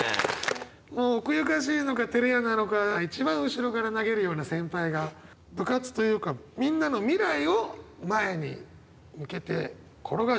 奥ゆかしいのかてれ屋なのか一番後ろから投げるような先輩が部活というかみんなの未来を前に向けて転がしていると。